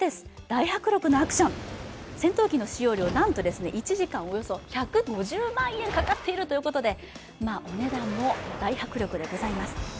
大迫力のアクション、戦闘機の使用料、なんと１時間およそ１５０万円かかっているということで、お値段も大迫力でございます。